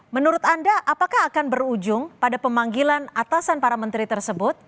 menurut anda apakah akan berujung pada pemanggilan atasan para menteri tersebut